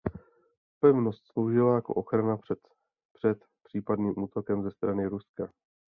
Pevnost sloužila jako ochrana před před případným útokem ze strany Ruska.